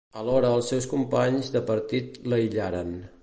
Alhora els seus companys de partit l'aïllaren.